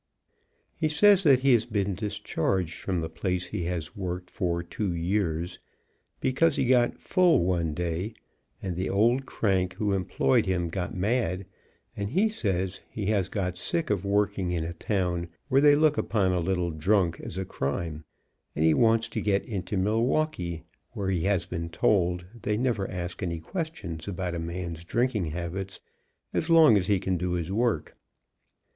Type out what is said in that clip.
He says he has been dis charged from the place he has worked for two years, because he got full one day, and the old crank who employed him got mad, and he says he has got sick of working in a town where they look upon a little drunk as a crime, and he wants to get into Milwaukee, where he has been told they never ask any questions about a man's drinking habits as long as he can do his work.